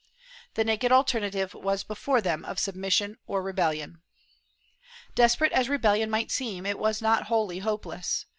^ The naked alternative was before them of submission or rebellion. Desperate as rebellion might seem, it was not wholly hopeless.